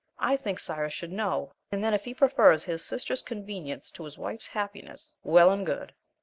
I think Cyrus should know, and then if he prefers his sister's convenience to his wife's happiness, well and good!"